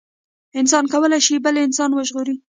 انسان کولي شي بل انسان وژغوري